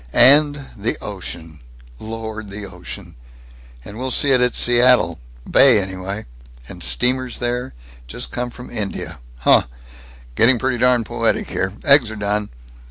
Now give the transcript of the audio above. "And the ocean! Lord! The ocean! And we'll see it at Seattle. Bay, anyway. And steamers there just come from India! Huh! Getting pretty darn poetic here! Eggs are done."